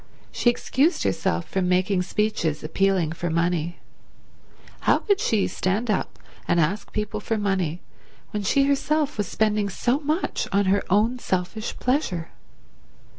She excused herself from making speeches appealing for money. How could she stand up and ask people for money when she herself was spending so much on her own selfish pleasure?